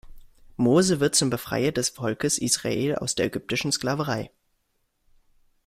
Mose wird zum Befreier des Volkes Israel aus der ägyptischen Sklaverei.